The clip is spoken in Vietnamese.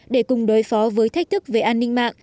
để cùng đối phó với thách thức về an ninh mạng